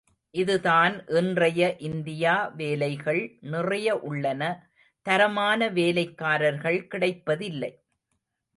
இதுதான் இன்றைய இந்தியா வேலைகள் நிறைய உள்ளன, தரமான வேலைக்காரர்கள் கிடைப்பதில்லை.